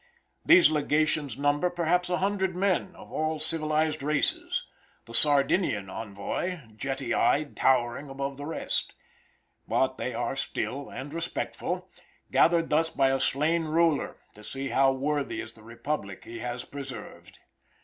These legations number, perhaps, a hundred men, of all civilized races, the Sardinian envoy, jetty eyed, towering above the rest. But they are still and respectful, gathered thus by a slain ruler, to see how worthy is the republic he has preserved.